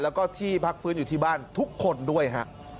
แล้วก็ที่พักฟื้นอยู่ที่บ้านทุกคนด้วยฮะ